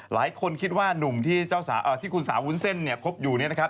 หลายคนคิดว่าหนุ่มที่คุณสาววุ้นเส้นเนี่ยพบอยู่เนี่ยนะครับ